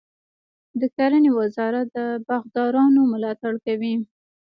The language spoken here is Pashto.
د کرنې وزارت د باغدارانو ملاتړ کوي.